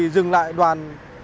dừng lại đoàn